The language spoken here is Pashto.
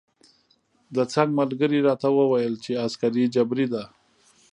د څنګ ملګري راته وویل چې عسکري جبری ده.